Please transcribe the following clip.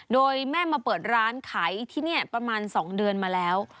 โดยแม่มาเปิดร้านขายที่นี่ประมาณ๒เดือนมาแล้ว